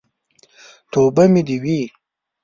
توبه مې دې وي.